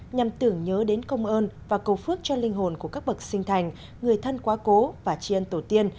nhằm tưởng nhớ đến công ơn và cầu phước cho linh hồn của các bậc sinh thành người thân quá cố và chi ân tổ tiên